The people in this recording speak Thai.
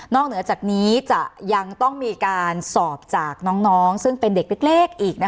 เหนือจากนี้จะยังต้องมีการสอบจากน้องซึ่งเป็นเด็กเล็กอีก